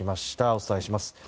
お伝えします。